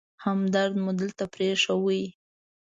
همدرد مو دلته پرېښود.